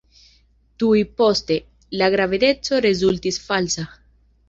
Tuj poste, la gravedeco rezultis falsa.